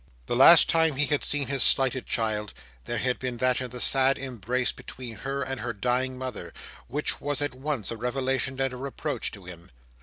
The last time he had seen his slighted child, there had been that in the sad embrace between her and her dying mother, which was at once a revelation and a reproach to him.